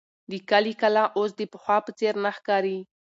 د کلي کلا اوس د پخوا په څېر نه ښکاري.